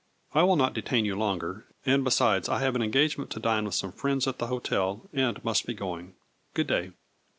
I will not detain you longer, and besides I have an engagement to dine with some friends at the hotel, and must be going. Good day."